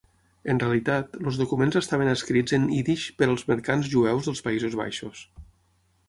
En realitat, els documents estaven escrits en ídix per als mercants jueus dels Països Baixos.